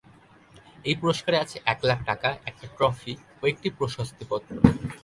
এই পুরস্কারে আছে এক লাখ টাকা, একটা ট্রফি ও একটি প্রশস্তি পত্র।